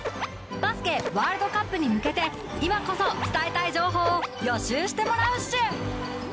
バスケワールドカップに向けて今こそ伝えたい情報を予習してもらうっシュ！